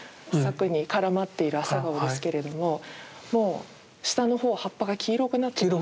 柵に絡まっている朝顔ですけれどももう下の方葉っぱが黄色くなっている。